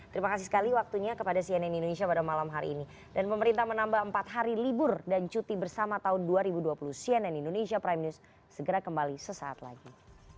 terima kasih sekali waktunya kepada cnn indonesia pada malam hari ini dan pemerintah menambah empat hari libur dan cuti bersama tahun dua ribu dua puluh cnn indonesia prime news segera kembali sesaat lagi